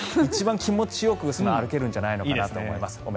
一番気持ちよく歩けるんじゃないかと思います。